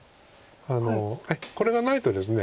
これがないとですね